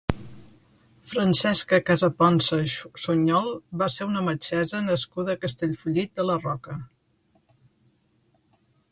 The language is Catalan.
Francesca Casaponsa Suñol va ser una metgessa nascuda a Castellfollit de la Roca.